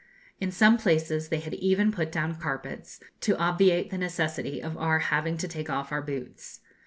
In some places they had even put down carpets, to obviate the necessity of our having to take off our boots.